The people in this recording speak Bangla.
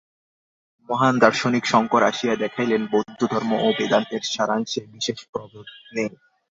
মহান দার্শনিক শঙ্কর আসিয়া দেখাইলেন, বৌদ্ধধর্ম ও বেদান্তের সারাংশে বিশেষ প্রভেদ নাই।